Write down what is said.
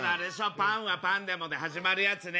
「パンはパンでも」で始まるやつね。